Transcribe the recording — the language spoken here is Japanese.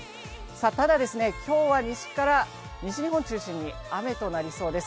ただ今日は西から西日本中心に雨となりそうです。